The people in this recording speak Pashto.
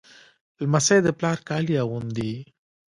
لمسی د پلار کالي اغوندي.